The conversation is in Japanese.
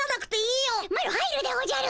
マロ入るでおじゃる。